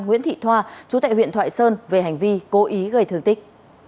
nguyễn thị thoa chú tại huyện thoại sơn về hành vi cố ý gây thương tích